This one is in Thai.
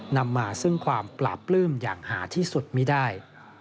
นำมาซึ่งความปราบปลื้มอย่างหาที่สุดไม่ได้